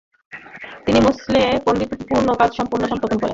তিনি মসুলে পাণ্ডিত্যপূর্ণ কাজসমূহ সম্পাদন করেন।